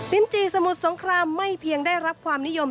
จีสมุทรสงครามไม่เพียงได้รับความนิยม